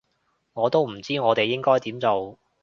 我都唔知我哋應該點做